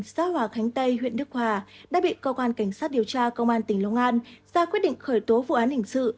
xã hòa khánh tây huyện đức hòa đã bị cơ quan cảnh sát điều tra công an tỉnh long an ra quyết định khởi tố vụ án hình sự